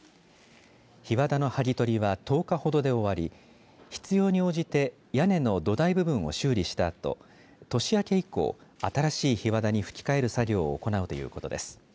ひわだのはぎ取りは１０日ほどで終わり必要に応じて屋根の土台部分を修理したあと年明け以降、新しいひわだにふき替える作業を行うということです。